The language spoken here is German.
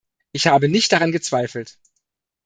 Ich habe nicht daran gezweifelt.